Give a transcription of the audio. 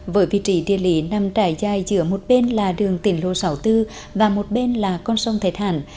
với vị trí địa lý nằm trải dài giữa một bên là đường tỉnh lô sảo tư và một bên là con sông thái thản